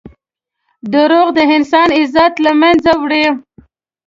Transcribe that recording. دروغ د انسان عزت له منځه وړي.